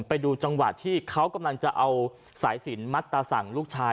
ไปดูจังหวะที่เขากำลังจะเอาสายสินมัดตาสั่งลูกชาย